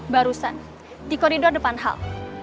barusan di koridor depan hal